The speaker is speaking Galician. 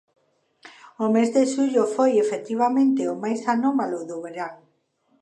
O mes de xullo foi, efectivamente, o máis anómalo do verán.